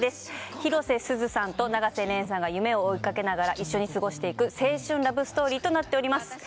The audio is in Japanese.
広瀬すずさんと永瀬廉さんが夢を追いかけながら一緒に過ごしていく青春ラブストーリーとなっております